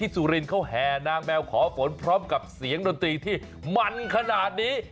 สุรินเขาแห่นางแมวขอฝนพร้อมกับเสียงดนตรีที่มันขนาดนี้